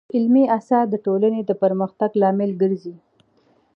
علمي اثار د ټولنې د پرمختګ لامل ګرځي.